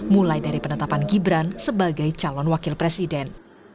mulai dari penetapan gibran sebagai calon wakil presiden